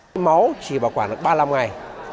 hiến máu chỉ bảo quản được ba mươi năm ngày